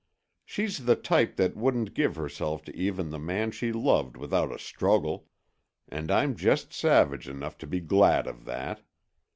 She's the type that wouldn't give herself to even the man she loved without a struggle. And I'm just savage enough to be glad of that.